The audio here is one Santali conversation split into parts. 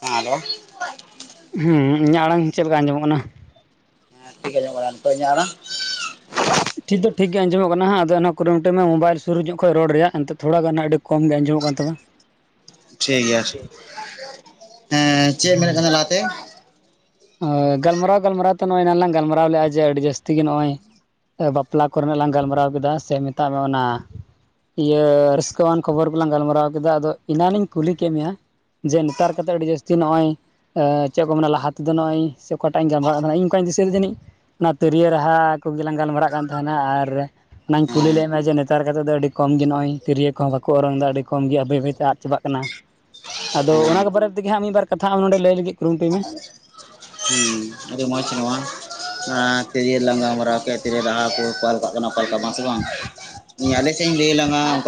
ᱦᱮᱸ ᱦᱮᱞᱳ᱾ ᱦᱩ ᱤᱧᱟᱹᱜ ᱟᱲᱟᱝ ᱪᱮᱫ ᱞᱮᱠᱟ ᱟᱸᱡᱚᱢᱚᱜ ᱠᱟᱱᱟ? ᱦᱮᱸ ᱴᱷᱤᱠᱜᱮ ᱟᱸᱡᱚᱢᱚᱜ ᱠᱟᱱᱟ ᱱᱤᱛᱟᱹᱜ ᱤᱧᱟᱹᱜ ᱟᱲᱟᱲᱝ? ᱴᱷᱤᱠ ᱫᱚ ᱴᱷᱤᱜ ᱜᱮ ᱟᱸᱡᱚᱢᱚᱜ ᱠᱟᱱᱟ ᱦᱟᱸᱜ ᱟᱫᱚ ᱠᱩᱨᱩᱩᱴᱩᱭ ᱢᱮ ᱢᱳᱵᱟᱭᱤᱞ ᱥᱩᱨ ᱦᱤᱡᱩᱜ ᱠᱷᱚᱡ ᱨᱚᱲ ᱨᱮᱭᱟᱜ ᱚᱱᱛᱮ ᱛᱷᱚᱲᱟᱜᱟᱱ ᱟᱸᱜ ᱟᱹᱰᱤ ᱠᱚᱢ ᱜᱮ ᱟᱸᱡᱚᱢᱚᱜ ᱠᱟᱱ ᱛᱟᱢᱟ᱾ ᱴᱷᱤᱠ ᱜᱮᱭᱟ, ᱦᱮᱸ ᱪᱮᱫ ᱢᱮᱱᱮᱫ ᱠᱟᱱᱟ ᱞᱟᱦᱟᱛᱮ? ᱚ ᱜᱟᱞᱢᱟᱨᱟᱣ ᱜᱟᱞᱢᱟᱨᱟᱣ ᱛᱮ ᱱᱚᱜᱼᱚᱭ ᱱᱟᱝ ᱞᱟᱝ ᱜᱟᱞᱢᱟᱨᱟᱣ ᱞᱮᱼᱟ ᱡᱮ ᱟᱹᱰᱤ ᱡᱟᱹᱥᱛᱤ ᱜᱮ ᱱᱚᱜᱼᱚᱭ ᱟᱹ ᱵᱟᱯᱞᱟ ᱠᱚᱨᱮᱱᱟᱜ ᱞᱟᱝ ᱜᱟᱞᱢᱟᱨᱟᱣ ᱠᱮᱫᱟ ᱥᱮ ᱢᱮᱛᱟᱜ ᱢᱮ ᱚᱱᱟ ᱤᱭᱟᱹ ᱨᱟᱹᱥᱠᱟᱹᱣᱟᱱ ᱠᱷᱚᱵᱚᱨ ᱠᱚᱞᱟᱝ ᱜᱟᱞᱢᱟᱨᱟᱣ ᱠᱮᱫᱟ ᱟᱫᱚ ᱮᱱᱟᱱᱤᱧ ᱠᱩᱞᱤ ᱠᱮᱜ ᱢᱮᱭᱟ ᱡᱮ ᱱᱮᱛᱟᱨ ᱠᱟᱛᱮᱜ ᱟᱹᱰᱤ ᱡᱟᱹᱥᱛᱤ ᱱᱚᱜᱼᱚᱭ ᱪᱮᱫ ᱠᱚ ᱢᱮᱱᱟ ᱞᱟᱦᱟ ᱡᱮ ᱱᱚᱜᱼᱚᱭ ᱥᱮ ᱚᱠᱟᱴᱟᱜ ᱤᱧ ᱜᱟᱞᱢᱟᱨᱟᱣ ᱛᱟᱦᱮᱱᱟ ᱤᱧ ᱚᱠᱟᱭ ᱫᱤᱥᱟᱹ ᱡᱟᱹᱱᱤᱡ ᱚᱱᱟ ᱛᱤᱨᱭᱳ ᱨᱟᱦᱟ ᱠᱚᱜᱮᱞᱟᱝ ᱜᱟᱞᱢᱟᱨᱟᱜ ᱠᱟᱱ ᱛᱟᱦᱮᱸᱱᱟ, ᱟᱨ ᱚᱱᱟᱧ ᱠᱩᱞᱤ ᱦᱮᱸ ᱞᱮᱫ ᱢᱮ ᱡᱮ ᱱᱮᱛᱟᱨ ᱠᱟᱛᱮ ᱫᱚ ᱟᱹᱰᱤ ᱠᱚᱢ ᱜᱮ ᱱᱚᱜᱼᱚᱭ ᱛᱤᱨᱭᱳ ᱠᱚᱸ ᱵᱟᱠᱚ ᱚᱨᱚᱝ ᱫᱟ ᱟᱹᱰᱤ ᱠᱚᱢ ᱜᱮᱭᱟ ᱵᱟᱹᱭ ᱵᱟᱹᱭ ᱛᱮ ᱟᱫ ᱪᱟᱵᱟᱜ ᱠᱟᱱᱟ ᱟᱫᱚ ᱚᱱᱟ ᱦᱮᱸ ᱠᱚ ᱵᱟᱨᱮ ᱛᱮᱜᱮ ᱦᱟᱸᱜ ᱢᱤᱫ ᱵᱟᱨ ᱠᱟᱛᱷᱟ ᱟᱢ ᱱᱚᱰᱮ ᱞᱟᱹᱭ ᱞᱟᱹᱜᱤᱫ ᱠᱩᱨᱩᱢᱩᱴᱩᱭ ᱢᱮ ᱦᱩᱸ ᱟᱹᱰᱤ ᱢᱚᱪ ᱱᱚᱣᱟ [inaudible] [unintelligible] ᱵᱟᱝ [unintelligible] ᱟᱞᱮ ᱥᱮᱫ ᱤᱧ ᱞᱟᱹᱭ ᱞᱟᱝᱟ [unintelligible]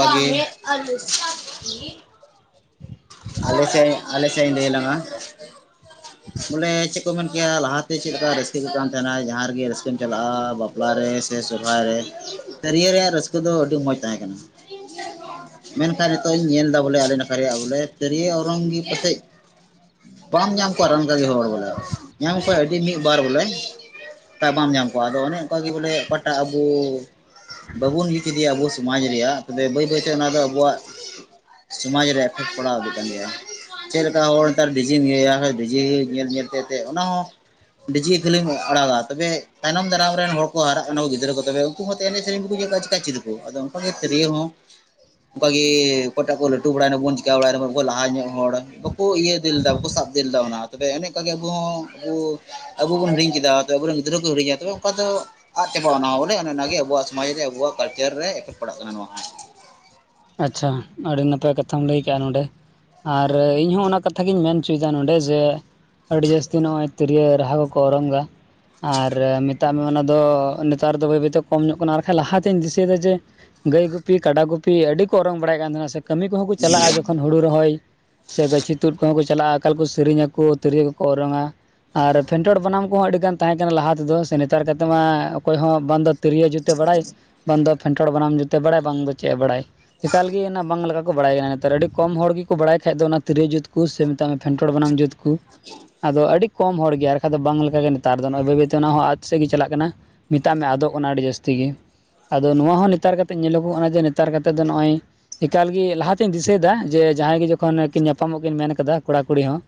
ᱟᱞᱮ ᱥᱮᱫ ᱟᱞᱮ ᱥᱮᱫ ᱤᱧ ᱞᱟᱹᱭ ᱞᱟᱝᱼᱟ ᱵᱚᱞᱮ ᱪᱮᱫ ᱠᱚ ᱢᱮᱱ ᱠᱮᱭᱟ ᱞᱟᱦᱟᱛᱮ ᱪᱮᱫ ᱞᱮᱠᱟ ᱨᱟᱹᱥᱠᱟᱹ ᱠᱚ ᱠᱟᱱ ᱛᱟᱦᱮᱱᱟ ᱡᱟᱦᱟᱸ ᱨᱮᱜᱮ ᱨᱟᱹᱥᱠᱟᱹᱢ ᱪᱟᱞᱟᱜᱼᱟ ᱵᱟᱯᱞᱟ ᱨᱮ ᱥᱮ ᱥᱚᱦᱨᱟᱭ ᱨᱮ ᱛᱮᱨᱣᱳ ᱨᱮᱭᱟᱜ ᱨᱟᱹᱥᱠᱟᱹ ᱫᱚ ᱟᱹᱰᱤ ᱢᱚᱸᱡᱽ ᱛᱟᱦᱮᱸ ᱠᱟᱱᱟ ᱾ ᱢᱮᱱᱠᱷᱟᱱ ᱱᱤᱛᱚᱜ ᱤᱧ ᱧᱮᱞᱫᱟ ᱵᱚᱞᱮ ᱟᱞᱮ ᱱᱟᱠᱷᱟ ᱨᱮᱭᱟᱜ ᱵᱚᱞᱮ ᱛᱤᱨᱭᱳ ᱚᱨᱚᱝ ᱜᱤ ᱯᱟᱥᱮᱡ ᱵᱟᱢ ᱧᱟᱢ ᱠᱚᱣᱟ ᱨᱟᱱᱠᱟᱜᱮ ᱦᱚᱲ ᱵᱚᱞᱮ ᱧᱟᱢ ᱠᱚᱣᱟ ᱟᱹᱰᱤ ᱢᱤᱫ ᱵᱟᱨ ᱵᱚᱞᱮ, ᱚᱠᱟ ᱵᱟᱢ ᱧᱟᱢ ᱠᱚᱣᱟ ᱟᱫᱚ ᱚᱱᱮ ᱚᱱᱠᱟᱜᱮ ᱵᱚᱞᱮ ᱚᱠᱟᱴᱟᱜ ᱟᱵᱚ ᱵᱟᱵᱚᱱ ᱞᱤᱪᱤᱫᱮᱭᱟ ᱟᱵᱚ ᱥᱚᱢᱟᱡᱽ ᱨᱮᱭᱟᱜ ᱛᱚᱵᱮ ᱵᱟᱹᱭ ᱵᱟᱹᱭᱛᱮ ᱚᱱᱟ ᱫᱚ ᱟᱵᱚᱣᱟᱜ ᱥᱚᱢᱟᱡᱽ ᱨᱮ ᱮᱯᱷᱮᱠᱴ ᱠᱚᱲᱟᱣ ᱤᱫᱤᱜ ᱠᱟᱱ ᱜᱮᱭᱟ ᱪᱮᱫ ᱞᱮᱠᱟ ᱦᱚᱲ ᱱᱮᱛᱟᱨ ᱰᱤᱡᱮ ᱤᱭᱟᱹᱭᱟ ᱰᱤᱡᱮ ᱧᱮᱞ ᱧᱮᱞ ᱛᱮ ᱛᱮᱛᱮᱫ ᱚᱱᱟ ᱦᱚᱸ- ᱰᱤᱡᱮ ᱠᱷᱟᱹᱞᱤᱢ ᱟᱲᱟᱜᱟ ᱛᱚᱵᱮ ᱛᱟᱭᱱᱚᱢ ᱫᱟᱨᱟᱢ ᱨᱮᱱ ᱦᱚᱲ ᱠᱚ ᱦᱟᱨᱟᱜ ᱠᱟᱱᱟ ᱜᱤᱫᱽᱨᱟᱹ ᱠᱚ ᱛᱚᱵᱮ ᱩᱱᱠᱩ ᱦᱚᱸ ᱮᱱᱮᱡ ᱥᱮᱨᱮᱧ ᱪᱮᱠᱟ ᱪᱮᱫᱟᱠᱚ ᱟᱫᱚ ᱚᱱᱠᱟ ᱜᱮ ᱛᱤᱨᱣᱳ ᱦᱚᱸ ᱚᱱᱠᱟ ᱜᱮ ᱚᱠᱭᱴᱟᱜ ᱠᱚ ᱞᱟᱴᱩ ᱵᱟᱲᱟᱭ ᱵᱟᱵᱚᱱ ᱚᱲᱟᱜ ᱨᱮᱦᱚᱸᱠᱚ ᱞᱟᱦᱟ ᱧᱚᱜ ᱦᱚᱲ ᱵᱟᱠᱚ ᱤᱭᱟᱹ ᱤᱫᱤ ᱞᱮᱫᱟ ᱵᱟᱠᱚ ᱥᱟᱵ ᱤᱫᱤ ᱞᱮᱫᱟ ᱚᱱᱟ ᱛᱚᱵᱮ ᱮᱱᱮᱡ ᱠᱟᱜ ᱜᱮ ᱟᱵᱚ ᱦᱚᱸ ᱟ ᱟᱵᱚ ᱵᱚᱱ ᱦᱤᱲᱤ ᱠᱮᱫᱟ ᱟᱵᱚᱨᱮᱱ ᱜᱤᱫᱽᱨᱟᱹ ᱠᱚ ᱦᱤᱲᱤᱧᱟ ᱛᱚᱵᱮ ᱚᱱᱠᱟ ᱫᱚ ᱟᱫ ᱪᱟᱵᱟᱜᱼᱟ ᱦᱚᱸ ᱵᱚᱞᱮ ᱚᱱᱮ ᱚᱱᱟᱜᱮ ᱟᱵᱚᱣᱟᱜ ᱥᱚᱢᱟᱡᱽ ᱨᱮ ᱟᱵᱚᱣᱟᱜ ᱠᱟᱞᱪᱟᱨ ᱨᱮ ᱮᱯᱷᱮᱠᱴ ᱯᱟᱲᱟᱜ ᱠᱟᱱᱟ ᱱᱚᱣᱟ ᱦᱚ, ᱟᱪᱷᱟ ᱟᱹᱰᱤ ᱱᱟᱯᱟᱭ ᱠᱟᱛᱷᱟᱢ ᱞᱟᱹᱭ ᱠᱮᱫᱼᱟ ᱱᱚᱰᱮ ᱾ ᱟᱨ ᱤᱧ ᱦᱚᱸ ᱚᱱᱟ ᱠᱟᱛᱷᱟ ᱜᱤᱧ ᱢᱮᱱ ᱦᱚᱪᱚᱭᱮᱫᱟ ᱱᱚᱰᱮ ᱡᱮ ᱟᱹᱰᱤ ᱡᱟᱹᱥᱛᱤ ᱱᱚᱜᱼᱚᱭ ᱛᱤᱨᱭᱳ ᱨᱟᱦᱟ ᱠᱚᱠᱚ ᱚᱨᱚᱝᱟ ᱟᱨ ᱢᱮᱛᱟᱜ ᱢᱮ ᱚᱱᱟ ᱫᱚ ᱱᱮᱛᱟᱨ ᱫᱚ ᱵᱟᱹᱭ ᱵᱟᱹᱭ ᱛᱮ ᱠᱚᱢ ᱧᱚᱜ ᱠᱟᱱᱟ ᱟᱨᱠᱟᱱ ᱞᱟᱦᱟᱛᱤᱧ ᱫᱤᱥᱟᱹᱭᱮᱫᱟ ᱡᱮ ᱜᱟᱹᱭ ᱜᱩᱯᱤ ᱠᱟᱰᱟ ᱜᱩᱯᱤ ᱟᱹᱰᱤ ᱠᱚ ᱚᱨᱚᱝ ᱵᱟᱲᱟᱭᱮᱫ ᱠᱟᱱ ᱛᱟᱦᱮᱱᱟ ᱥᱮ ᱠᱟᱹᱢᱤ ᱠᱚᱦᱚᱸ ᱠᱚ ᱪᱟᱞᱟᱜᱼᱟ ᱡᱚᱠᱷᱚᱱ ᱦᱳᱲᱩ ᱨᱚᱦᱚᱭ ᱥᱮ ᱜᱟᱹᱪᱷᱤ ᱛᱩᱫ ᱠᱚᱦᱚᱸ ᱠᱚ ᱪᱟᱞᱟᱜᱼᱟ ᱟᱠᱟᱠᱟᱞ ᱠᱚ ᱥᱮᱨᱮᱧᱟᱚ ᱛᱤᱨᱭᱳ ᱠᱚᱠᱚ ᱚᱨᱚᱝᱟ, ᱟᱨ ᱯᱷᱮᱱᱴᱚᱲ ᱵᱟᱱᱟᱢ ᱠᱚᱦᱚᱸ ᱟᱹᱰᱤ ᱜᱟᱱ ᱛᱟᱦᱮᱸ ᱠᱟᱱᱟ ᱞᱟᱦᱟ ᱛᱮᱫᱚ ᱥᱮ ᱱᱮᱛᱟᱨ ᱠᱟᱛᱮ ᱢᱟ ᱚᱠᱚᱭ ᱦᱚᱸ ᱵᱚᱱᱫ ᱛᱤᱨᱭᱳ ᱡᱩᱛ ᱵᱟᱲᱟᱭ ᱵᱟᱝ ᱫᱚ ᱯᱷᱮᱱᱴᱚᱲ ᱵᱟᱱᱟᱢ ᱡᱩᱛᱮ ᱵᱟᱲᱟᱭ ᱵᱟᱝ ᱫᱚ ᱪᱮᱫ ᱮ ᱵᱟᱲᱟᱭ ᱾ ᱮᱠᱟᱞ ᱜᱮ ᱚᱱᱟ ᱵᱟᱝ ᱞᱮᱠᱟ ᱠᱚ ᱵᱟᱲᱟᱭ ᱜᱮ ᱠᱟᱱᱟ ᱱᱮᱛᱟᱨ ᱟᱹᱰᱤ ᱠᱚᱢ ᱦᱚᱲ ᱜᱮᱠᱚ ᱵᱟᱲᱟᱭ ᱠᱷᱟᱡ ᱫᱚ ᱚᱱᱟ ᱛᱤᱨᱭᱳ ᱡᱩᱛ ᱠᱚ ᱥᱮ ᱢᱮᱛᱟᱜ ᱢᱮ ᱯᱷᱮᱱᱴᱚᱲ ᱵᱟᱱᱟᱢ ᱡᱩᱛ ᱠᱚ ᱾ ᱟᱫᱚ ᱟᱹᱰᱤ ᱠᱚᱢ ᱦᱚᱲ ᱜᱮ ᱟᱨᱠᱟᱱ ᱫᱚ ᱵᱟᱝ ᱞᱮᱠᱟᱜᱮ ᱱᱮᱛᱟᱨ ᱫᱚ ᱱᱚᱜᱼᱚᱭ ᱵᱟᱹᱭ ᱵᱟᱹᱭ ᱛᱮ ᱚᱱᱟ ᱦᱚ ᱟᱛ ᱥᱮᱫ ᱜᱮ ᱪᱟᱞᱟᱜ ᱠᱟᱱᱟ ᱾ ᱢᱮᱛᱟᱜ ᱢᱮ ᱟᱫᱚᱜ ᱚᱱᱟ ᱟᱹᱰᱤ ᱡᱟᱹᱥᱛᱤ ᱜᱮ ᱟᱫᱚ ᱱᱚᱣᱟ ᱦᱚᱸ ᱱᱮᱛᱟᱨ ᱠᱟᱛᱮ ᱧᱮᱞᱚᱜᱚᱜ ᱠᱟᱱᱟ ᱡᱮ ᱱᱮᱛᱟᱨ ᱛᱮᱫᱚ ᱱᱚᱜᱼᱚᱭ ᱮᱠᱟᱞ ᱜᱮ ᱞᱟᱦᱟᱛᱤᱧ ᱫᱤᱥᱟᱹᱭᱮᱫᱟ ᱡᱮ ᱡᱟᱦᱟᱸᱭ ᱜᱮ ᱡᱚᱠᱷᱚᱱ ᱠᱤᱱ ᱧᱟᱯᱟᱢᱚᱜ ᱠᱤᱱ ᱢᱮᱱ ᱠᱟᱫᱟ ᱠᱚᱲᱟ ᱠᱩᱲᱤ ᱦᱚᱸ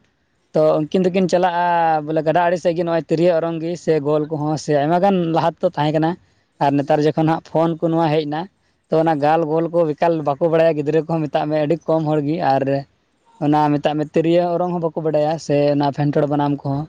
ᱛᱚ ᱩᱱᱠᱤᱱ ᱫᱚᱠᱤᱱ ᱪᱟᱞᱟᱜᱼᱟ ᱵᱚᱞᱮ ᱜᱟᱰᱟ ᱟᱲᱮ ᱥᱮᱫ ᱜᱮ ᱱᱚᱜᱼᱚᱭ ᱛᱤᱨᱭᱳ ᱚᱨᱚᱝᱜᱤ ᱥᱮ ᱜᱳᱞ ᱠᱚᱦᱚᱸ ᱥᱮ ᱟᱭᱢᱟ ᱜᱟᱱ ᱞᱟᱦᱟᱛᱮ ᱛᱟᱦᱮᱸ ᱠᱟᱱᱟ, ᱟᱨ ᱱᱮᱛᱟᱨ ᱡᱚᱠᱷᱚᱱ ᱦᱟᱸᱜ ᱯᱷᱳᱱ ᱠᱚ ᱱᱚᱣᱟ ᱦᱮᱡ ᱮᱱᱟ ᱛᱚ ᱚᱱᱟ ᱜᱟᱞ ᱜᱳᱞ ᱮᱠᱟᱞ ᱵᱟᱠᱚ ᱵᱟᱲᱟᱭᱟ ᱜᱤᱫᱽᱨᱟᱹ ᱠᱚᱦᱚᱸ ᱢᱮᱛᱟᱜ ᱢᱮᱭᱟ ᱟᱹᱰᱤ ᱠᱚᱢ ᱦᱚᱲᱜᱮ ᱟᱨ ᱚᱱᱟ ᱢᱮᱛᱟᱜ ᱢᱮ ᱛᱤᱨᱭᱳ ᱚᱨᱚᱝ ᱦᱚᱸ ᱵᱟᱠᱚ ᱵᱟᱰᱟᱭᱟ, ᱥᱮ ᱚᱱᱟ ᱯᱷᱮᱱᱴᱲ ᱵᱟᱱᱟᱢ ᱠᱚᱦᱚᱸ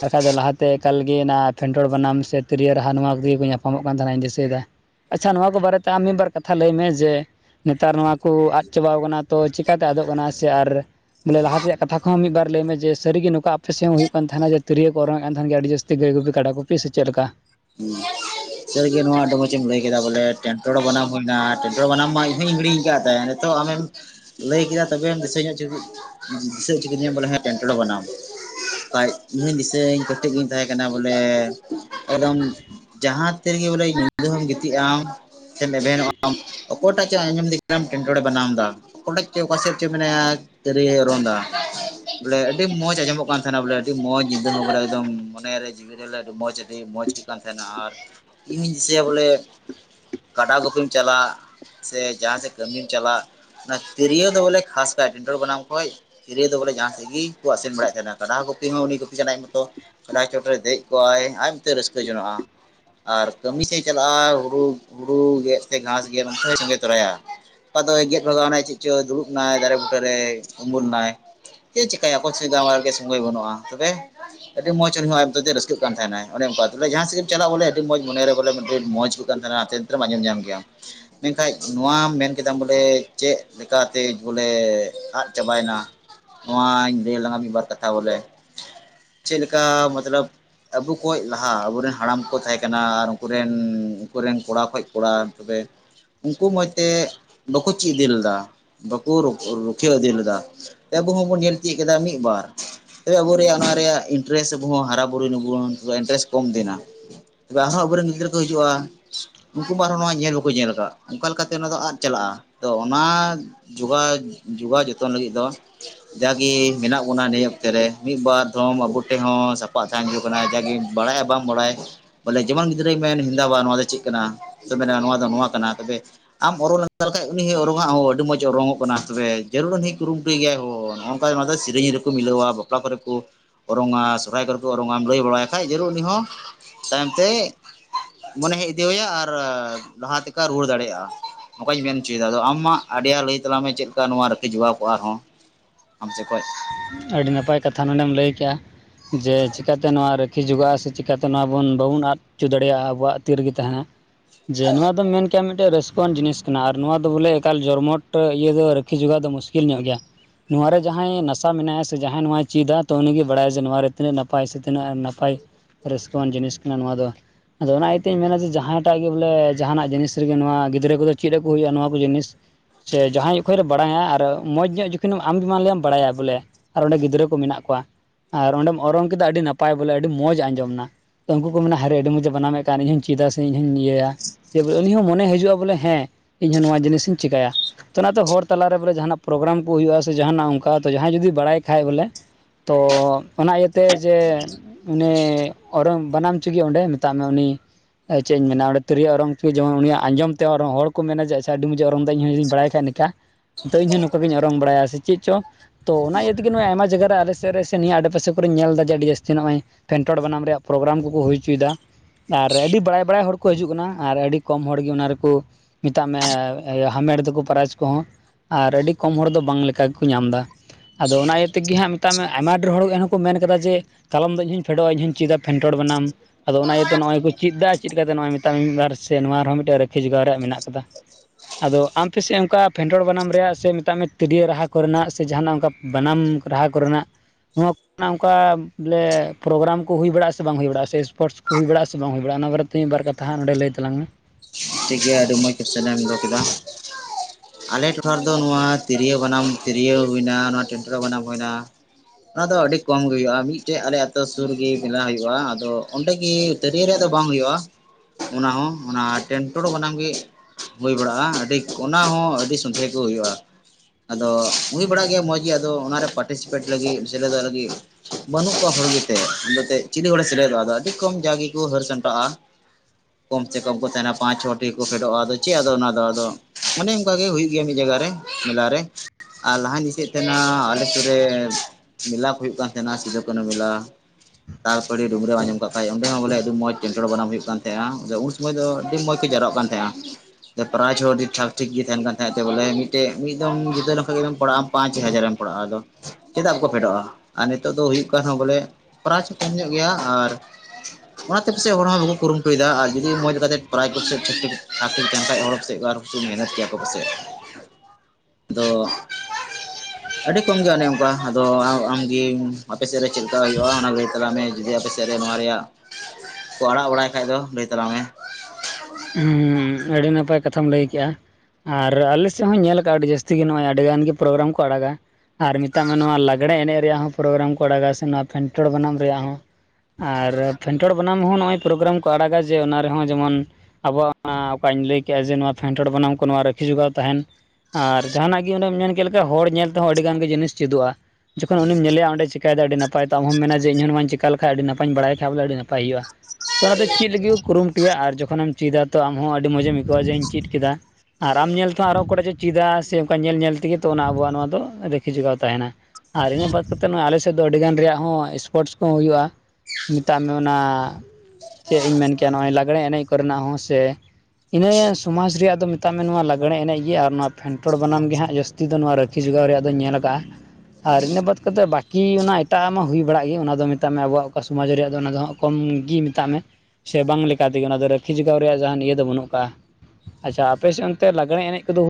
ᱟᱨ ᱵᱟᱠᱷᱟᱡ ᱫᱚ ᱞᱟᱦᱟᱛᱮ ᱮᱠᱟᱞ ᱜᱮ ᱚᱱᱟ ᱯᱷᱮᱱᱴᱚᱲ ᱵᱟᱱᱟᱢ ᱥᱮ ᱛᱤᱨᱭᱳ ᱨᱟᱦᱟ ᱱᱚᱣᱟ ᱠᱚᱜᱮ ᱠᱚ ᱧᱟᱯᱟᱢᱚᱜ ᱠᱟᱱ ᱛᱟᱦᱮᱱᱟ ᱫᱤᱥᱟᱹᱭ ᱮᱫᱟ᱾ ᱟᱪᱷᱟ ᱱᱚᱣᱟ ᱠᱚ ᱵᱟᱨᱮᱛᱮ ᱟᱢ ᱢᱤᱫ ᱵᱟᱨ ᱠᱟᱛᱷᱟ ᱞᱟᱹᱭ ᱢᱮ, ᱡᱮ ᱱᱮᱛᱟᱨ ᱱᱚᱣᱟ ᱠᱚ ᱟᱫ ᱪᱟᱵᱟᱣ ᱠᱟᱱᱟ ᱛᱚ ᱪᱮᱠᱟᱛᱮ ᱟᱫᱚᱜ ᱠᱟᱱᱟ ᱥᱮ ᱟᱨ ᱵᱚᱞᱮ ᱞᱟᱦᱟ ᱨᱮᱭᱟᱜ ᱠᱟᱛ ᱠᱚᱦᱚᱸ ᱢᱤᱫ ᱵᱟᱨ ᱞᱟᱹᱭ ᱢᱮ ᱡᱮ ᱥᱟᱹᱨᱤ ᱜᱮ ᱱᱚᱝᱠᱟ ᱟᱯᱮ ᱥᱮᱫ ᱦᱚᱸ ᱦᱩᱭᱩᱜ ᱠᱟᱱ ᱛᱟᱦᱮᱱᱟ ᱡᱮ ᱛᱤᱨᱭᱳ ᱠᱚ ᱚᱨᱚᱝᱮᱫ ᱠᱟᱱ ᱛᱟᱦᱮᱱ ᱜᱮᱭᱟ ᱟᱹᱰᱤ ᱡᱟᱹᱥᱛᱤ ᱛᱤ ᱜᱟᱹᱭ ᱜᱩᱯᱤ ᱠᱟᱰᱟ ᱜᱩᱯᱤ ᱥᱮ ᱪᱮᱫ ᱞᱮᱠᱟ? [unintelligible] ᱥᱟᱹᱨᱤᱜᱮ ᱱᱚᱣᱟ ᱟᱹᱰᱤ ᱢᱚᱡᱮᱢ ᱞᱟᱹᱭ ᱠᱮᱫᱟ ᱵᱚᱞᱮ ᱴᱮᱱᱴᱚᱲ ᱵᱟᱱᱟᱢ ᱦᱩᱭᱱᱟ ᱴᱮᱱᱴᱚᱲ ᱵᱟᱱᱟᱢ ᱢᱟ ᱤᱧᱦᱧ ᱦᱤᱲᱤᱧ ᱟᱠᱟᱫ ᱛᱟᱦᱮᱸ, ᱛᱚ ᱟᱢᱮᱢ ᱞᱟᱹᱭ ᱠᱮᱫᱟ ᱛᱚᱵᱮ ᱫᱤᱥᱟᱹ ᱧᱚᱜ ᱪᱚ ᱫᱤᱥᱟᱹ ᱦᱚᱪᱚ ᱠᱤᱫᱤᱧᱟ ᱵᱚᱞᱮ ᱦᱮᱸ ᱴᱮᱱᱴᱚᱲ ᱵᱟᱱᱟᱢ᱾ ᱟᱡ ᱤᱧ ᱦᱩᱧ ᱫᱤᱥᱟᱹ ᱠᱟᱹᱴᱮᱡ ᱜᱤᱧ ᱛᱟᱦᱮᱸ ᱠᱟᱱᱟ ᱵᱚᱞᱮ ᱮᱠᱫᱚᱢ ᱡᱟᱦᱟᱸ ᱛᱤ ᱨᱮᱜᱮ ᱵᱚᱞᱮ ᱧᱤᱫᱟᱹ ᱦᱚᱸᱢ ᱜᱤᱛᱤᱡ ᱟᱢ ᱥᱮᱢ ᱮᱵᱷᱮᱱᱚᱜᱼᱟ ᱟᱢ ᱚᱠᱚᱭᱴᱟᱜ ᱪᱚ ᱟᱸᱡᱚᱢ ᱫᱤ ᱴᱮᱱᱴᱚᱲ ᱮ ᱵᱮᱱᱟᱢ ᱮᱫᱟ ᱚᱠᱟᱴᱷᱡ ᱪᱚ ᱚᱠᱟᱥᱮᱫ ᱪᱚᱭ ᱢᱮᱱᱟᱭᱟ ᱛᱤᱨᱭᱚ ᱚᱨᱚᱝ ᱫᱟ᱾ ᱵᱚᱞᱮ ᱟᱹᱰᱤ ᱢᱚᱸᱡᱽ ᱟᱸᱡᱚ ᱢᱚᱜ ᱠᱟᱱ ᱛᱟᱦᱮᱱᱟ ᱵᱚᱞᱮ ᱟᱹᱰᱤ ᱢᱚᱸᱡᱽ ᱧᱤᱫᱟᱹ ᱠᱟᱱᱟ ᱮᱠᱫᱚᱢ ᱢᱚᱱᱮᱨᱮ ᱡᱤᱣᱤ ᱨᱮ ᱟᱹᱰᱤ ᱢᱚᱸᱡ ᱟᱹᱰᱤ ᱢᱚᱡᱽ ᱜᱮ ᱠᱟᱱ ᱛᱟᱦᱮᱱᱟ ᱟᱨ ᱤᱧ ᱦᱚᱸᱧ ᱫᱤᱥᱟᱹᱭᱟ ᱵᱚᱞᱮ ᱠᱟᱰᱟ ᱜᱩᱯᱤᱢ ᱪᱟᱞᱟᱜ ᱥᱮ ᱡᱟᱦᱟᱸ ᱥᱮᱫ ᱠᱟᱹᱢᱤᱢ ᱪᱟᱞᱟᱜ ᱚᱱᱟ ᱛᱤᱨᱭᱳ ᱫᱚ ᱵᱚᱞᱮ ᱠᱷᱟᱥ ᱠᱟᱭ ᱴᱷᱮᱱᱴᱚᱲ ᱵᱟᱱᱟᱢ ᱠᱷᱚᱡ ᱛᱤᱨᱟᱹᱭ ᱫᱚ ᱵᱚᱞᱮ ᱡᱟᱦᱟᱸ ᱥᱮᱫ ᱜᱮᱠᱚ ᱟᱹᱥᱮᱱ ᱵᱟᱲᱟᱭᱮᱫ ᱛᱟᱦᱮᱱᱟ ᱠᱟᱰᱟ ᱜᱩᱯᱤ ᱦᱚᱸ ᱩᱱᱤ ᱠᱚᱯᱤ ᱠᱟᱱᱟᱭ ᱢᱚᱛᱚ ᱠᱟᱰᱟ ᱪᱚᱴᱨᱮᱭ ᱫᱮᱡ ᱠᱚᱜᱼᱟᱭ ᱟᱡ ᱢᱤᱫᱛᱮ ᱨᱟᱹᱥᱠᱟᱹ ᱡᱚᱱᱚᱜᱼᱟ᱾ ᱟᱨ ᱠᱟᱹᱢᱤ ᱥᱮᱫ ᱪᱟᱞᱟᱜᱼᱟ ᱦᱩᱲ ᱦᱩᱲᱩ ᱜᱮᱫ ᱥᱮ ᱜᱷᱟᱸᱥ ᱜᱮᱫ ᱚᱱᱛᱮ ᱦᱚᱸᱭ ᱥᱚᱸᱜᱮ ᱛᱚᱨᱟᱭᱟ᱾ ᱚᱠᱟ ᱫᱚᱭ ᱜᱮᱫ ᱵᱷᱟᱜᱟᱣ ᱮᱱᱟᱭ ᱪᱮᱫ ᱪᱚ ᱫᱩᱲᱩᱵ ᱱᱟᱭ ᱫᱟᱨᱮ ᱵᱩᱴᱟᱹᱨᱮ ᱩᱢᱜᱩᱞ ᱱᱟᱭ ᱪᱮᱫ ᱪᱮ ᱠᱟᱭᱟ ᱚᱠᱚᱭ ᱥᱩᱵᱤᱫᱷᱟ ᱟ ᱥᱚᱢᱚᱭ ᱵᱟᱹᱱᱩᱜᱼᱟ ᱛᱚᱵᱮ ᱟᱹᱰᱤ ᱢᱚᱸᱡᱽ ᱩᱱᱤᱦᱚᱸ ᱟᱭᱮ ᱨᱟᱹᱥᱠᱟᱹᱜ ᱠᱟᱱ ᱛᱟᱦᱮᱱᱟᱭ ᱚᱱᱮ ᱚᱱᱠᱟ᱾ ᱵᱚᱞᱮ ᱡᱟᱦᱟᱸ ᱥᱮᱫ ᱜᱮ ᱪᱟᱞᱟᱜ ᱵᱚᱞᱮ ᱟᱹᱰᱤ ᱢᱚᱸᱡᱽ ᱢᱚᱱᱮᱨᱮ ᱵᱚᱞᱮ ᱢᱤᱫ ᱢᱡᱽ ᱠᱚ ᱠᱟᱱ ᱛᱟᱦᱮᱱᱟ ᱟᱛᱮ ᱱᱛᱮ ᱨᱮᱢ ᱟᱸᱡᱚᱢ ᱧᱟᱢ ᱜᱮᱭᱟ᱾ ᱢᱮᱱᱠᱷᱟᱡ ᱱᱚᱣᱟ ᱢᱮᱱ ᱠᱮᱫᱟᱢ ᱵᱚᱞᱮ ᱪᱮᱫ ᱞᱮᱠᱟᱛᱮ ᱵᱚᱞᱮ ᱟᱫ ᱪᱟᱵᱟᱭᱮᱱᱟ᱾ ᱱᱚᱣᱟ ᱤᱧ ᱞᱟᱹᱭ ᱞᱟᱸᱜᱟ ᱢᱤᱫ ᱵᱟᱨ ᱠᱟᱛᱷᱟ ᱵᱚᱞᱮ ᱪᱮᱫᱞᱮᱠᱟ ᱢᱚᱛᱞᱚᱵ ᱟᱵᱚ ᱠᱷᱚᱡ ᱞᱟᱦᱟ ᱟᱵᱚᱨᱮᱱ ᱦᱟᱲᱟᱢ ᱠᱚᱠᱚ ᱛᱟᱦᱮᱸ ᱠᱟᱱᱟ ᱟᱨ ᱩᱱᱠᱩ ᱨᱮᱱ ᱩᱱᱠᱩ ᱨᱮᱱ ᱠᱚᱲᱟ ᱠᱷᱚᱡ ᱠᱚᱲᱟ ᱛᱚᱵᱮ ᱩᱱᱠᱩ ᱢᱚᱸᱡᱽ ᱛᱮ ᱵᱟᱠᱚ ᱪᱮᱫ ᱤᱫᱤ ᱞᱮᱫᱟ ᱵᱟᱠᱚ ᱨᱩᱠᱷᱤᱭᱟᱹ ᱤᱫᱤ ᱞᱮᱫᱟ᱾ ᱟᱵᱚ ᱦᱚᱸᱵᱚᱱ ᱧᱮᱞ ᱛᱤᱭᱮᱫ ᱠᱮᱫᱟ ᱢᱤᱫ ᱵᱟᱨ᱾ ᱛᱚᱵᱮ ᱟᱵᱚ ᱨᱮᱭᱟᱜ ᱚᱱᱟ ᱨᱮᱭᱟᱜ ᱤᱱᱴᱟᱨᱮᱥᱴ ᱟᱵᱚ ᱦᱚᱸ ᱦᱟᱨᱟ ᱵᱩᱨᱩᱭ ᱱᱟᱵᱚᱱ ᱤᱱᱴᱟᱨᱮᱥᱴ ᱠᱚᱢ ᱤᱫᱤ ᱮᱱᱟ᱾ ᱞᱟᱦᱟ ᱟᱵᱚᱨᱮᱱ ᱜᱤᱫᱽᱨᱟᱹ ᱠᱚ ᱦᱤᱡᱩᱜᱼᱟ᱾ ᱩᱱᱠᱩ ᱢᱟ ᱟᱨᱦᱚᱸ ᱱᱚᱣᱟ ᱧᱮᱞ ᱵᱟᱠᱚ ᱧᱮᱞ ᱟᱠᱟᱫ ᱚᱱᱠᱟ ᱞᱮᱠᱟᱛᱮ ᱚᱱᱟ ᱫᱚ ᱟᱫ ᱪᱟᱞᱟᱜᱼᱟ, ᱛᱚ ᱚᱱᱟ ᱡᱚᱜᱟᱶ ᱡᱚᱜᱟᱣ ᱡᱚᱛᱚᱱ ᱞᱟᱹᱜᱤᱫ ᱫᱚ ᱡᱟᱜᱮ ᱢᱮᱱᱟᱜ ᱵᱚᱱᱟ ᱱᱤᱭᱟᱹ ᱚᱠᱛᱮ ᱨᱮ ᱢᱤᱫᱼ ᱵᱟᱨ ᱫᱚᱢ ᱟᱵᱚ ᱴᱷᱮᱱ ᱦᱚᱸ ᱥᱟᱯᱟᱜ ᱛᱟᱦᱮᱱ ᱦᱩᱭᱩᱜ ᱠᱟᱱᱟ ᱡᱟᱜᱮ᱾ ᱵᱟᱲᱟᱭᱟᱜ ᱵᱟᱢ ᱵᱟᱲᱟᱭ᱾ ᱵᱚᱞᱮ ᱡᱮᱢᱚᱱ ᱜᱤᱫᱽᱨᱟᱹᱭ ᱢᱮᱱ ᱠᱮᱫᱟ ᱵᱟ ᱱᱚᱣᱟ ᱫᱚ ᱪᱮᱫ ᱠᱟᱱᱟ ᱟᱫᱚ ᱢᱮᱱᱮᱫᱟ ᱱᱚᱣᱟ ᱫᱚ ᱱᱚᱣᱟ ᱠᱟᱱᱟ, ᱛᱚᱵᱮ ᱟᱢ ᱚᱨᱚᱝ ᱞᱮᱱᱛᱟᱞ ᱞᱮ ᱠᱷᱟᱱᱡ ᱩᱱᱤ ᱦᱚᱸ ᱚᱨᱚᱝ ᱟᱼᱟ [unintelligible] ᱦᱚᱸ ᱟᱹᱰᱤ ᱢᱚᱡᱽ ᱚᱨᱚᱝᱚᱜ ᱠᱟᱱᱟ ᱛᱚᱵᱮ ᱡᱟᱹᱨᱩᱲᱟᱹᱱ ᱦᱚᱸᱭ ᱠᱩᱨᱩᱢᱩᱴᱩᱭ ᱜᱮᱭᱟᱭ ᱦ ᱱᱚᱜᱼ [unintelligible] ᱚᱠᱟ ᱨᱮ ᱱᱚᱣᱟ ᱫᱚ ᱥᱮᱨᱮᱧ ᱨᱮᱠᱚ ᱢᱤᱞᱟᱹᱣᱟ ᱵᱟᱯᱞᱟ ᱠᱚᱨᱮ ᱠᱚ ᱚᱨᱚᱝᱟ ᱥᱚᱨᱚᱦᱟᱭ ᱠᱚᱨᱮ ᱠᱚ ᱚᱨᱚᱝᱟᱢ ᱞᱟᱹᱭ ᱵᱟᱲᱟᱭᱟ ᱦᱚᱭ ᱡᱟᱹᱨᱩᱲ ᱱᱩᱭ ᱦᱚᱸ ᱛᱟᱭᱚᱢ ᱛᱮ ᱢᱚᱱᱮ ᱦᱮᱡ ᱤᱫᱤ ᱦᱳᱭᱳᱜᱼᱟ ᱟᱨ ᱞᱟᱦᱟ ᱛᱮᱠᱟ ᱨᱩᱣᱟᱹᱲ ᱦᱮᱡ ᱫᱟᱲᱮᱭᱟᱜᱼᱟ᱾ ᱱᱚᱝᱠᱟᱧ ᱢᱮᱱ ᱚᱪᱚᱭᱮᱫᱟ ᱟᱫᱚ ᱟᱢ ᱢᱟ ᱟᱹᱰᱤ ᱟ ᱞᱟᱹᱭ ᱛᱟᱞᱟ ᱢᱮ ᱪᱮᱫ ᱞᱮᱠᱟ ᱱᱚᱣᱟ ᱨᱟᱹᱠᱷᱤ ᱡᱚᱜᱟᱣ ᱠᱚᱜ ᱟᱨᱦᱚᱸ᱾ ᱟᱢ ᱥᱮᱫ ᱠᱷᱚᱡ᱾ ᱟᱹᱰᱤ ᱱᱟᱯᱟᱭ ᱠᱟᱛᱷᱟ ᱱᱚᱰᱮᱢ ᱞᱟᱹᱭ ᱠᱮᱜᱼᱟ᱾ ᱡᱮ ᱪᱤᱠᱟᱛᱮ ᱱᱚᱣᱟ ᱨᱟᱹᱠᱷᱤ ᱡᱚᱜᱟᱜᱼᱟ ᱥᱮ ᱪᱤᱠᱟᱛᱮ ᱱᱚᱣᱟ ᱵᱚᱱ ᱵᱟᱵᱚᱱ ᱟᱫ ᱪᱚ ᱫᱟᱲᱮᱭᱟᱜᱼᱟ ᱟᱵᱚᱣᱟᱜ ᱛᱤ ᱨᱮᱜᱮ ᱛᱟᱦᱮᱱᱟ ᱡᱮ ᱱᱚᱣᱟ ᱫᱚ ᱢᱮᱱ ᱮᱠᱟ ᱢᱤᱫᱴᱮᱱ ᱨᱟᱹᱥᱠᱣᱟᱱ ᱡᱤᱱᱤᱥ ᱠᱟᱱᱟ ᱟᱨ ᱱᱚᱣᱟ ᱫᱚ ᱵᱚᱞᱮ ᱮᱠᱟᱞ ᱡᱚᱨᱢᱚᱴ ᱤᱭᱟᱹ ᱫᱚ ᱨᱟᱹᱠᱷᱤ ᱡᱚᱜᱟᱣ ᱫᱚ ᱢᱩᱥᱠᱤᱞ ᱧᱚᱜ ᱜᱮᱭᱟ᱾ ᱱᱚᱣᱟ ᱨᱮ ᱡᱟᱦᱟᱸᱭ ᱱᱟᱥ ᱥᱟᱵ ᱢᱮᱱᱟᱭᱟ ᱥᱮ ᱡᱟᱦᱟᱸᱭ ᱱᱚᱣᱟᱭ ᱪᱮᱫᱟ ᱛᱚ ᱩᱱᱤᱮᱭ ᱵᱟᱲᱟᱭᱟᱮ ᱱᱚᱣᱟ ᱨᱮ ᱛᱤᱱᱟᱹᱜ ᱱᱟᱯᱟᱭ ᱥᱮ ᱛᱤᱱᱟᱹᱜ ᱱᱟᱯᱟᱭ ᱨᱟᱹᱥᱠᱟᱹᱣᱟᱱ ᱡᱤᱱᱤᱥ ᱠᱟᱱᱟ ᱱᱚᱣᱟ ᱫᱚ᱾ ᱟᱫᱚ ᱚᱱᱟ ᱤᱭᱟᱹᱛᱮᱧ ᱢᱮᱱᱟ ᱡᱮ ᱡᱟᱦᱟᱸᱴᱟᱜ ᱜᱮ ᱵᱚᱞᱮ ᱡᱟᱦᱟᱱᱟᱜ ᱡᱤᱱᱤᱥ ᱨᱮᱜᱮ ᱱᱚᱣᱟ ᱜᱤᱫᱽᱨᱟᱹ ᱠᱚᱫᱚ ᱪᱮᱫ ᱟᱠᱚ ᱦᱩᱭᱩᱜᱼᱟ ᱱᱚᱣᱟ ᱠᱚ ᱡᱤᱱᱤᱥ᱾ ᱥᱮ ᱡᱟᱦᱟᱸᱭ ᱚᱠᱷᱮ ᱵᱟᱲᱟᱭᱟ ᱟᱨ ᱢᱚᱡᱽ ᱧᱚᱜ ᱡᱚᱠᱷᱚᱱ ᱟᱢᱜᱮ ᱢᱟᱞᱮ ᱟᱞᱮᱢ ᱵᱟᱲᱟᱭᱟ ᱵᱚᱞᱮ ᱟᱨ ᱚᱸᱰᱮ ᱜᱤᱫᱽᱨᱟᱹ ᱠᱚ ᱢᱮᱱᱟᱜ ᱠᱚᱣᱟ ᱟᱨ ᱚᱸᱰᱮᱢ ᱚᱨᱚᱝ ᱠᱮᱫᱟ ᱟᱹᱰᱤ ᱱᱟᱯᱟᱭ ᱵᱚᱞᱮ ᱟᱹᱰᱤ ᱢᱚᱡᱽ ᱟᱸᱡᱚᱢ ᱮᱱᱟ᱾ ᱛᱚ ᱩᱱᱠᱩ ᱠᱚ ᱢᱮᱱᱟ, ᱦᱟᱭᱨᱮ ᱟᱹᱰᱤ ᱢᱚᱸᱡᱽ, ᱮ ᱵᱟᱱᱟᱢ ᱮᱫ ᱠᱟᱱ, ᱤᱧᱦᱚ ᱪᱮᱫᱟ, ᱥᱮ ᱤᱧ ᱦᱚᱧ ᱤᱭᱟᱹᱭᱟ ᱾ ᱥᱮ ᱩᱱᱤ ᱦᱚᱸ ᱢᱚᱱᱮ ᱦᱤᱡᱩᱜᱼᱟ, ᱵᱚᱞᱮ ᱦᱮᱸ, ᱤᱧ ᱦᱚ ᱱᱚᱣᱟ ᱡᱤᱱᱤᱥ ᱤᱧ, ᱪᱮᱠᱟᱹᱭᱟ ᱾ ᱛᱚ ᱚᱱᱟᱛᱮ, ᱦᱚᱨ ᱛᱟᱞᱟᱨᱮ ᱵᱚᱞᱮ ᱡᱟᱦᱟᱸᱱᱟᱜ ᱯᱨᱳᱜᱨᱟᱢ ᱠᱚ ᱦᱩᱭᱩᱜᱼᱟ, ᱥᱮ ᱡᱟᱦᱟᱸᱱᱟᱜ ᱚᱱᱠᱟ, ᱡᱟᱦᱟᱸᱭ ᱡᱩᱫᱤ ᱵᱟᱲᱟᱭ ᱠᱷᱟᱡ, ᱵᱚᱞᱮ ᱛᱚ, ᱚᱱᱟ ᱤᱭᱟᱹᱛᱮ, ᱡᱮ ᱩᱱᱤ, ᱚᱨᱚᱝ ᱵᱟᱱᱟᱢ ᱪᱮᱜ ᱜᱮ, ᱚᱸᱰᱮ ᱢᱮᱛᱟᱜ ᱢᱮ, ᱩᱱᱤ ᱟᱨ ᱪᱮᱫ ᱤᱧ ᱢᱮᱱᱟ, ᱚᱰᱮ ᱛᱤᱨᱭᱳ ᱚᱨᱚᱝ ᱛᱮ, ᱡᱮᱢᱚᱱ ᱩᱱᱤᱭᱟᱜ, ᱟᱸᱡᱚᱢ ᱛᱮ ᱦᱚᱲ ᱠᱚ ᱢᱮᱱᱟ, ᱡᱮ, ᱟᱪᱪᱷᱟ ᱾ ᱟᱹᱰᱤ ᱢᱚᱡᱮ ᱚᱨᱚᱝ ᱮᱫᱟ, ᱤᱧ ᱦᱚᱸᱧ ᱵᱟᱲᱟᱭ ᱠᱟᱜ ᱱᱤᱝᱠᱟ, ᱤᱧ ᱦᱚᱸ ᱱᱚᱝᱠᱟ ᱜᱤᱧ ᱚᱨᱚᱝ ᱵᱟᱲᱟᱭᱟ ᱥᱮ ᱪᱮᱫ ᱪᱚ? ᱛᱚ, ᱚᱱᱟ ᱤᱭᱟᱹ ᱛᱮᱜᱮ, ᱱᱚᱜᱼᱚᱭ ᱟᱭᱢᱟ ᱡᱟᱭᱜᱟ ᱨᱮ, ᱟᱞᱮ ᱥᱮᱫ ᱨᱮ, ᱥᱮ ᱱᱤᱭᱟᱹ ᱟᱰᱮ ᱯᱟᱥᱮ ᱠᱚᱨᱮᱧ, ᱧᱮᱞ ᱮᱫᱟ ᱡᱮ, ᱟᱹᱰᱤ ᱡᱟᱹᱥᱛᱤ ᱱᱚᱜᱼᱚᱭ ᱯᱷᱮᱱᱴᱚᱲ ᱵᱟᱱᱟᱢ ᱨᱮᱭᱟᱜ, ᱯᱨᱳᱜᱨᱟᱢ ᱠᱚᱠᱚ, ᱦᱩᱭ ᱦᱚᱪᱚᱭ ᱮᱫᱟ ᱾ ᱟᱨ, ᱟᱹᱰᱤ ᱵᱟᱲᱟᱭ ᱵᱟᱲᱟᱭ ᱦᱚᱲ ᱠᱚ, ᱦᱤᱡᱩᱜ ᱠᱟᱱᱟ ᱾ ᱟᱨ, ᱟᱹᱰᱤ ᱠᱚᱢ ᱦᱚᱲ ᱜᱮ, ᱚᱱᱟ ᱨᱮᱠᱚ ᱢᱮᱛᱟᱜ ᱢᱮ, ᱦᱟᱢᱮᱴ ᱮᱫᱟᱠᱚ ᱯᱨᱟᱭᱤᱡᱽ ᱠᱚᱦᱚᱸ, ᱟᱨ ᱟᱹᱰᱤ ᱠᱚᱢ ᱦᱚᱲ ᱫᱚ, ᱵᱟᱝ ᱞᱮᱠᱟ ᱜᱮᱠᱚ ᱧᱟᱢ ᱮᱫᱟ ᱾ ᱟᱫᱚ, ᱚᱱᱟ ᱤᱭᱟᱹ ᱛᱮᱜᱮ ᱦᱟᱸᱜ, ᱢᱮᱛᱟᱜ ᱢᱮ, ᱟᱭᱢᱟ ᱰᱷᱮᱨ ᱦᱚᱲ ᱦᱚᱸ ᱠᱚ, ᱢᱮᱱ ᱟᱠᱟᱫᱟ, ᱡᱮ, ᱠᱟᱞᱚᱢ ᱫᱚ, ᱤᱧᱦᱚᱧ ᱯᱷᱮᱰᱚᱜᱼᱟ, ᱤᱧᱦᱚᱧ ᱪᱮᱫᱟ ᱯᱷᱮᱱᱴᱚᱲ ᱵᱟᱱᱟᱢ ᱾ ᱟᱫᱚ, ᱚᱱᱟ ᱤᱭᱟᱹᱛᱮ, ᱱᱚᱜ ᱚᱭ ᱠᱚ, ᱪᱮᱫ ᱮᱫᱟ ᱾ ᱪᱮᱫ ᱠᱟᱛᱮ ᱱᱚᱜᱼᱚᱭ ᱢᱮᱛᱟᱜ ᱢᱮ, ᱢᱤᱫ ᱵᱟᱨ ᱥᱮ ᱱᱚᱣᱟ ᱨᱮᱦᱚᱸ, ᱢᱤᱫ ᱴᱮᱱ ᱨᱟᱹᱠᱷᱤ ᱡᱚᱜᱟᱣ ᱨᱮᱭᱟᱜ, ᱢᱮᱱᱟᱜ ᱟᱠᱟᱫᱟ ᱾ ᱟᱫᱚ, ᱟᱢ ᱛᱤᱥ ᱚᱱᱠᱟ ᱯᱷᱮᱱᱴᱚᱲ ᱵᱟᱱᱟᱢ ᱨᱮᱭᱟᱜ, ᱥᱮ ᱢᱮᱛᱟᱜ ᱢᱮ, ᱛᱤᱨᱭᱳ ᱨᱟᱦᱟ ᱠᱚᱨᱮᱱᱟᱜ, ᱡᱟᱦᱟᱸ ᱱᱟᱜ ᱚᱱᱠᱟ, ᱵᱟᱱᱟᱢ ᱨᱟᱦᱟ ᱠᱚᱨᱮᱱᱟᱜ, ᱱᱚᱣᱟ ᱱᱟ, ᱚᱱᱠᱟ, ᱵᱚᱞᱮ, ᱯᱨᱳᱜᱨᱟᱢ ᱠᱚ ᱦᱩᱭ ᱵᱟᱲᱟᱜᱼᱟ ᱥᱮ, ᱵᱟᱝ ᱦᱩᱭ ᱵᱟᱲᱟᱜᱼᱟ, ᱥᱮ ᱮᱥᱯᱳᱨᱴᱥ ᱠᱚ ᱦᱩᱭ ᱵᱟᱲᱟᱜᱼᱟ, ᱥᱮ ᱵᱟᱝ ᱦᱩᱭ ᱵᱟᱲᱟᱜᱼᱟ ᱾ ᱚᱱᱟ ᱵᱟᱨᱮ ᱛᱮ ᱢᱤᱫ ᱵᱟᱨ ᱠᱟᱛᱷᱟ ᱦᱟᱸᱜ, ᱱᱚᱰᱮ ᱞᱟᱹᱭ ᱛᱟᱞᱟᱝ ᱢᱮ ᱾ ᱴᱷᱤᱠ ᱜᱮᱭᱟ, ᱟᱹᱰᱤ ᱢᱚᱡᱽ ᱠᱚᱪᱥᱮᱱ ᱮᱢ ᱫᱚᱦᱚ ᱠᱮᱫᱟ ᱾ ᱟᱞᱮ ᱴᱚᱴᱷᱟ ᱨᱮᱫᱚ, ᱱᱚᱣᱟ ᱛᱤᱨᱭᱳ ᱵᱟᱱᱟᱢ, ᱛᱤᱨᱭᱳ ᱦᱩᱭᱮᱱᱟ, ᱱᱚᱣᱟ ᱴᱮᱱᱴᱨᱟ ᱵᱟᱱᱟᱢ ᱦᱩᱭᱮᱱᱟ ᱚᱱᱟ ᱫᱚ, ᱟᱹᱰᱤ ᱠᱚᱢ ᱜᱮ ᱦᱩᱭᱩᱜᱼᱟ᱾ ᱢᱤᱫᱴᱮᱡ, ᱟᱞᱮ ᱟᱛᱳ ᱥᱩᱨ ᱜᱮ, ᱢᱮᱞᱟ ᱦᱳᱭᱳᱜᱼᱟ, ᱟᱫᱚ ᱚᱸᱰᱮ ᱜᱤ ᱛᱤᱨᱭᱟᱹ ᱨᱮᱭᱟᱜ ᱫᱚ ᱵᱟᱝ ᱦᱩᱭᱩᱜᱼᱟ, ᱚᱱᱟ ᱦᱚᱸ, ᱚᱱᱟ ᱴᱷᱮᱱᱴᱚᱲ ᱵᱟᱱᱟᱢ ᱜᱮ, ᱦᱩᱭ ᱵᱟᱲᱟᱜᱼᱟ ᱾ ᱟᱹᱰᱤ, ᱚᱱᱟ ᱦᱚᱸ, ᱟᱹᱰᱤ ᱥᱚᱱᱫᱮ ᱜᱮ ᱦᱩᱭᱩᱜᱼᱟ ᱾ ᱟᱫᱚ, ᱦᱩᱭ ᱵᱟᱲᱟᱜ ᱜᱮᱭᱟ, ᱢᱚᱸᱡᱽ ᱜᱮ, ᱟᱫᱚ, ᱚᱱᱟᱨᱮ ᱯᱟᱴᱤᱥᱤᱯᱮᱴ ᱞᱟᱹᱜᱤᱫ, ᱥᱮᱞᱮᱫᱚᱜ ᱞᱟᱹᱜᱤᱫ ᱵᱟᱹᱱᱩᱜ ᱠᱚᱣᱟ ᱦᱚᱲ ᱜᱮᱛᱮ, ᱟᱫᱚ ᱛᱮᱫ ᱪᱤᱞᱤ ᱦᱚᱲᱮ ᱥᱮᱞᱮᱫᱚᱜᱼᱟ, ᱟᱫᱚ ᱟᱹᱰᱤ ᱠᱚᱢ ᱡᱟᱜᱮᱠᱚ, ᱦᱟᱹᱨ ᱥᱟᱢᱴᱟᱜᱼᱟ ᱾ ᱠᱚᱢ ᱥᱮ ᱠᱚᱢ ᱠᱚ, ᱛᱟᱦᱮᱱᱟ ᱾ ᱯᱟᱸᱪ ᱪᱷᱚᱴᱤ ᱠᱚ ᱯᱷᱮᱰᱚᱜᱼᱟ, ᱟᱫᱚ ᱪᱮᱫ ᱟᱫᱚ, ᱚᱱᱟ ᱫᱚ ᱟᱫᱚ, ᱚᱱᱮ ᱚᱱᱠᱟ ᱜᱮ, ᱦᱩᱭᱩᱜ ᱜᱮᱭᱟ, ᱢᱤᱫ ᱡᱟᱭᱜᱟ ᱨᱮ, ᱢᱮᱞᱟ ᱨᱮ ᱾ ᱟᱨ, ᱞᱟᱦᱟᱧ ᱫᱤᱥᱟᱹᱭᱮᱫ ᱛᱟᱦᱮᱱᱟ, ᱟᱞᱮ ᱥᱩᱨ ᱨᱮ ᱾ ᱢᱮᱞᱟ ᱠᱚ, ᱦᱩᱭᱩᱜ ᱠᱟᱱ ᱛᱟᱦᱮᱱᱟ, ᱥᱤᱫᱩ ᱠᱟᱹᱱᱷᱩ ᱢᱮᱞᱟ ᱾ ᱛᱟᱨᱯᱚᱨᱮ, ᱰᱩᱵᱟᱹᱨᱟᱢ ᱟᱸᱡᱚᱢ ᱟᱠᱟᱫ ᱠᱷᱟᱡ, ᱚᱱᱰᱮ ᱦᱚᱸ ᱵᱚᱞᱮ, ᱟᱹᱰᱤ ᱢᱚᱸᱡᱽ ᱯᱷᱨᱱᱴᱚᱲ ᱵᱟᱱᱟᱢ ᱦᱩᱭᱩᱜ ᱠᱟᱱ ᱛᱟᱦᱮᱸᱜᱼᱟ, ᱩᱱ ᱥᱚᱢᱚᱭ ᱫᱚ ᱟᱹᱰᱤ ᱢᱚᱸᱡᱽ ᱟᱰᱤ ᱠᱚ, ᱡᱟᱣᱨᱟᱜ ᱠᱟᱱ ᱛᱟᱦᱮᱸᱜᱼᱟ ᱾ ᱯᱨᱟᱭᱤᱡᱽ ᱦᱚᱸ, ᱟᱹᱰᱤ ᱴᱷᱟᱠ ᱴᱷᱤᱠ ᱜᱮ, ᱛᱟᱦᱮᱱ ᱠᱟᱱ ᱛᱟᱦᱮᱸᱫ ᱛᱮ, ᱵᱚᱞᱮ ᱢᱤᱫᱴᱮᱱ, ᱢᱤᱫ ᱫᱚᱢ ᱡᱩᱫᱟᱹ ᱞᱮᱠᱟᱜᱮᱢ ᱯᱟᱲᱟᱜᱼᱟᱢ ᱾ ᱯᱟᱸᱪ ᱦᱟᱡᱟᱨᱮᱢ ᱯᱟᱲᱟᱜᱼᱟ, ᱟᱫᱚ ᱪᱮᱫᱟᱜ ᱠᱚ ᱯᱷᱮᱰᱚᱜᱼᱟ? ᱟᱨ ᱱᱤᱛᱚᱜ ᱫᱚ ᱦᱩᱭᱩᱜ ᱠᱟᱱ ᱨᱮᱦᱚᱸ, ᱵᱚᱞᱮ ᱯᱨᱟᱭᱪ ᱦᱚᱸ, ᱠᱚᱢ ᱧᱚᱜ ᱜᱮᱭᱟ ᱾ ᱟᱨ ᱚᱱᱟᱛᱮ ᱯᱟᱥᱮᱡ ᱦᱚᱲ ᱦᱚᱸ, ᱵᱟᱠᱚ ᱠᱩᱨᱩᱢᱩᱴᱩ ᱭᱮᱫᱟ, ᱟᱨ ᱡᱩᱫᱤ ᱢᱚᱡᱽ ᱠᱟᱛᱮ, ᱯᱨᱟᱭᱡᱽ [unintelligible] ᱴᱷᱟᱠᱩᱨ ᱜᱟᱶᱛᱟ ᱚᱲᱚᱠ ᱥᱮᱫ ᱠᱚᱣᱟ, ᱢᱮᱦᱱᱚᱛ ᱠᱮᱭᱟ ᱠᱚ ᱯᱟᱥᱮᱡ ᱫᱚ ᱟᱹᱰᱤ ᱠᱚᱢ ᱜᱮᱭᱟ, ᱚᱱᱮ ᱚᱱᱠᱟ ᱟᱫᱚ, ᱟᱢᱜᱮ, ᱟᱯᱮ ᱥᱮᱫ ᱨᱮ, ᱪᱮᱫᱞᱮᱠᱟ ᱦᱩᱭᱩᱜᱼᱟ ᱾ ᱚᱱᱟ ᱞᱟᱹᱭ ᱛᱟᱞᱟᱝ ᱢᱮ, ᱡᱩᱫᱤ ᱟᱯᱮ ᱥᱮᱫ ᱛᱮ ᱨᱮ, ᱱᱚᱣᱟ ᱨᱮᱭᱟᱜ ᱠᱚ, ᱯᱟᱦᱲᱟᱜ ᱵᱟᱲᱟᱭ ᱠᱷᱟᱡ ᱫᱚ, ᱞᱟᱹᱭ ᱛᱟᱞᱟᱝ ᱢᱮ ᱾ ᱩᱸᱻ ᱟᱹᱰᱤ, ᱱᱟᱯᱟᱭ ᱠᱟᱛᱷᱟᱢ ᱞᱟᱹᱭ ᱠᱮᱜᱼᱟ ᱾ ᱟᱨ, ᱟᱞᱮ ᱥᱮᱫ ᱦᱚᱸᱧ, ᱧᱮᱞ ᱟᱠᱟᱜᱼᱟ ᱾ ᱟᱹᱰᱤ ᱡᱟᱹᱥᱛᱤ ᱜᱮ, ᱱᱚᱜᱼᱚᱭ ᱟᱹᱰᱤ ᱜᱟᱱ ᱜᱮ, ᱯᱨᱳᱜᱨᱟᱢ ᱠᱚ ᱟᱲᱟᱜᱟ ᱾ ᱟᱨ, ᱢᱮᱛᱟᱜ ᱢᱮ, ᱱᱚᱣᱟ ᱞᱟᱜᱽᱲᱮ ᱮᱱᱮᱡ ᱨᱮᱭᱟᱜ ᱦᱚᱸ, ᱯᱨᱳᱜᱨᱟᱢ ᱠᱚ ᱟᱲᱟᱜᱟ, ᱥᱮ ᱱᱚᱣᱟ, ᱯᱷᱮᱱᱴᱚᱲ ᱵᱟᱱᱟᱢ ᱨᱮᱭᱟᱜ ᱦᱚᱸ ᱾ ᱟᱨ, ᱯᱷᱮᱱᱴᱚᱲ ᱵᱟᱱᱟᱢ ᱦᱚᱸ, ᱱᱚᱜᱼᱚᱭ ᱯᱨᱳᱜᱨᱟᱢ ᱠᱚ ᱟᱲᱟᱜᱟ, ᱡᱮ, ᱚᱱᱟ ᱨᱮᱦᱚᱸ ᱡᱮᱢᱚᱱ ᱟᱵᱚᱣᱟᱜ, ᱚᱱᱟ, ᱚᱠᱟᱧ ᱞᱟᱹᱭ ᱠᱮᱫᱼᱟ ᱾ ᱡᱮ, ᱱᱚᱣᱟ ᱯᱷᱮᱱᱴᱚᱲ ᱵᱟᱱᱟᱢ ᱠᱚ, ᱱᱚᱣᱟ ᱨᱟᱹᱠᱷᱤ ᱡᱚᱜᱟᱣ ᱛᱟᱦᱮᱱ ᱟᱨ, ᱡᱟᱦᱟᱸᱱᱟᱜ ᱜᱮ, ᱚᱸᱰᱮᱢ ᱢᱮᱱ ᱠᱮᱫ ᱞᱮᱠᱟ, ᱦᱚᱲ ᱧᱮᱞ ᱛᱮᱦᱚᱸ, ᱟᱹᱰᱤ ᱜᱟᱱ ᱜᱮ ᱡᱤᱱᱤᱥ, ᱪᱮᱫᱚᱜᱼᱟ ᱾ ᱡᱚᱠᱷᱚᱱ ᱩᱱᱤᱢ ᱧᱮᱞᱮᱭᱟ ᱚᱸᱰᱮ ᱪᱮᱠᱟᱭᱫᱟ ᱟᱹᱰᱤ ᱱᱟᱯᱟᱭ ᱛᱮ ᱟᱢ ᱦᱚᱸᱢ ᱢᱮᱱᱟ ᱡᱮ ᱤᱧ ᱦᱚᱸ ᱱᱚᱣᱟ᱾ ᱪᱤᱠᱟ ᱞᱮᱠᱷᱟᱱ ᱟᱹᱰᱤ ᱱᱟᱯᱟᱭᱤᱧ ᱵᱟᱲᱟᱭᱟ᱾ ᱵᱚᱞᱮ, ᱟᱹᱰᱤ ᱱᱟᱯᱟᱭ ᱦᱩᱭᱩᱜᱼᱟ᱾ ᱛᱚ, ᱚᱱᱟᱛᱮ ᱪᱮᱫ ᱞᱟᱹᱜᱤᱫ ᱠᱩᱨᱩᱢᱩᱴᱩᱭ-ᱟ᱾ ᱟᱨ ᱡᱚᱠᱷᱚᱱᱮᱢ ᱪᱮᱫᱟ᱾ ᱛᱚ ᱟᱢᱦᱚᱸ ᱟᱹᱰᱤ ᱢᱚᱸᱡᱽ ᱮᱢ, ᱟᱹᱭᱠᱟᱹᱣᱟ᱾ ᱡᱮ ᱤᱧ ᱪᱮᱫ ᱠᱮᱫᱟ᱾ ᱟᱨ ᱟᱢ ᱧᱮᱞ ᱛᱮᱦᱚᱸ ᱟᱨᱚ ᱚᱠᱚᱭ ᱴᱟᱜ ᱪᱤᱫᱟ᱾ ᱥᱮ ᱚᱱᱠᱟ ᱧᱮᱞ - ᱧᱮᱞ ᱛᱮᱜᱮ, ᱛᱚ ᱚᱱᱟ ᱟᱵᱚᱣᱟ-ᱜ ᱱᱚᱣᱟ ᱫᱚ ᱨᱟᱹᱠᱷᱤ ᱡᱚᱜᱟᱣ ᱛᱟᱦᱮᱱᱟ᱾ ᱟᱨ ᱤᱱᱟᱹ ᱵᱟᱫ ᱠᱟᱛᱮᱫ, ᱟᱞᱮᱥᱮᱫ ᱫᱚ ᱟᱹᱰᱤ ᱜᱟᱱ ᱨᱮᱭᱟ-ᱜ ᱦᱚᱸ ᱥᱯᱳᱨᱴᱥ ᱠᱚ ᱦᱚᱸ ᱦᱩᱭᱩᱜᱼᱟ᱾ ᱢᱮᱛᱟᱜ ᱢᱮ᱾ ᱚᱱᱟ ᱪᱮᱫ ᱤᱧ ᱢᱮᱱ ᱠᱮᱭᱟ᱾ ᱱᱚᱜᱼᱚᱭ ᱞᱟᱜᱽᱲᱮ ᱮᱱᱮᱡ ᱠᱚᱨᱮᱱᱟ-ᱜ ᱦᱚᱸ ᱥᱮ ᱤᱱᱟᱹ ᱥᱚᱢᱟᱡ ᱨᱮᱭᱟ-ᱜ ᱫᱚ᱾ ᱢᱮᱛᱟᱜ ᱢᱮ ᱱᱚᱣᱟ ᱞᱟᱜᱽᱲᱮᱸ ᱮᱱᱮᱡ ᱜᱮ ᱾ᱟᱨ ᱱᱚᱣᱟ ᱯᱷᱮᱱᱴᱲ ᱵᱟᱱᱟᱢ ᱜᱮ᱾ ᱦᱟᱸᱜ ᱡᱟᱹᱥᱛᱤ ᱤᱧ ᱫᱚ᱾ ᱱᱚᱣᱟ ᱨᱟᱹᱠᱷᱤ ᱡᱚᱜᱟᱣ ᱨᱮᱭᱟ-ᱜ ᱫᱚᱧ ᱧᱮᱞ ᱟᱠᱟᱫᱼᱟ᱾ ᱟᱨ ᱤᱱᱟᱹ ᱵᱟᱫᱽ ᱠᱟᱛᱮ, ᱠᱟᱛᱮᱫ ᱵᱟᱹᱠᱤ ᱚᱱᱟ ᱮᱴᱟ-ᱜ ᱢᱟ᱾ ᱦᱩᱭ ᱵᱟᱲᱟᱜ ᱜᱮ, ᱚᱱᱟ ᱫᱚ ᱢᱮᱛᱟ-ᱜ ᱢᱮ ᱾ ᱟᱵᱚᱣᱟᱜ ᱚᱠᱟ ᱥᱚᱢᱟᱡᱽ ᱨᱮᱭᱟᱜ ᱫᱚ᱾ ᱚᱱᱟ ᱫᱚ ᱦᱟᱸᱜ ᱠᱚᱢ ᱜᱤ ᱢᱮᱛᱟᱜ ᱢᱮ᱾ ᱥᱮ ᱵᱟᱝ ᱞᱮᱠᱟ ᱛᱮᱜᱮ᱾ ᱚᱱᱟ ᱫᱚ ᱠᱤᱪᱷᱩ ᱫᱚ ᱟᱹᱣᱨᱤᱭᱟ-ᱜ ᱡᱟᱦᱟᱱ ᱤᱭᱟᱹ ᱫᱚ ᱵᱟᱹᱱᱩᱜ ᱠᱟᱜ ᱟ᱾ ᱟᱪᱷᱟ ᱟᱯᱮ ᱥᱮᱱᱛᱮ ᱞᱟᱜᱽᱲᱮ ᱮᱱᱮᱡ ᱠᱚ-ᱫᱚ